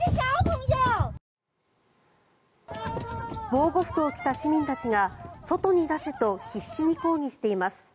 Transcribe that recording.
防護服を着た市民たちが外に出せと必死に抗議しています。